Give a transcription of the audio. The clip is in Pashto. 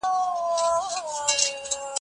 شهیدعبدالصمدروحاني